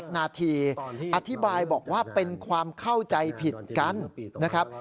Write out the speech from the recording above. นาทีอธิบายบอกว่าเป็นความเข้าใจผิดกันนะครับ